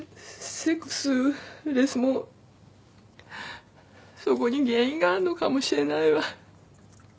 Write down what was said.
セックスレスもそこに原因があるのかもしれないわ。